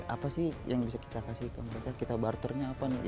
apa sih yang bisa kita kasih ke mereka kita barternya apa nih